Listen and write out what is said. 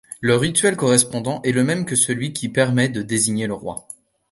Le rituel correspondant est le même que celui qui permet de désigner le Roi.